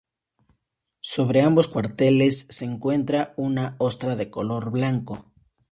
Sobre ambos cuarteles se encuentra una ostra de color blanco.